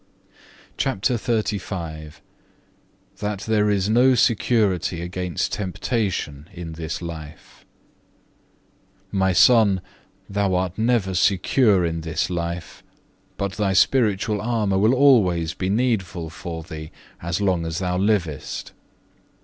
(1) 1 John ii. 15. (2) Psalm lxviii. 30. CHAPTER XXXV That there is no security against temptation in this life "My Son, thou art never secure in this life, but thy spiritual armour will always be needful for thee as long as thou livest.